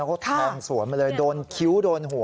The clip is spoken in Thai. เขาแทงสวนมาเลยโดนคิ้วโดนหัว